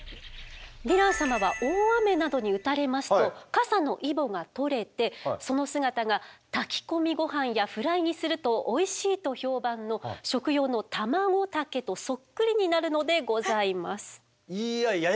ヴィラン様は大雨などに打たれますとカサのイボが取れてその姿が炊き込みごはんやフライにするとおいしいと評判の食用のタマゴタケとそっくりになるのでございます。